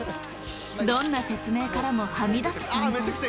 どんな説明からもはみ出す存在